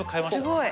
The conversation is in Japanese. すごい。